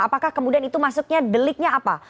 apakah kemudian itu maksudnya deliknya apa